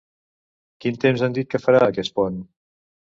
Quin temps han dit que farà aquest pont?